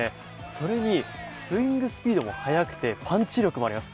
それにスイングスピードも速くてパンチ力もあります。